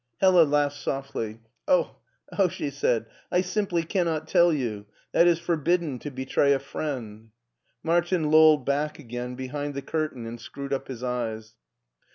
Hella laughed softly. " Oh, oh," she said, " I simply cannot tell you! That is forbidden, to betray a friend" Martin lolled back again behind the curtain and screwed up his eyes.